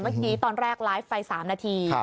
เมื่อกี้ตอนแรกไลฟ์ไป๓นาที